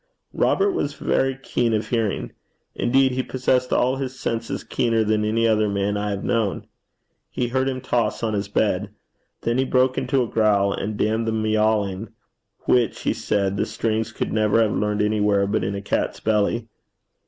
Robert was very keen of hearing. Indeed he possessed all his senses keener than any other man I have known. He heard him toss on his bed. Then he broke into a growl, and damned the miauling, which, he said, the strings could never have learned anywhere but in a cat's belly.